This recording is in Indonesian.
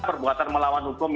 perbuatan melawan hukum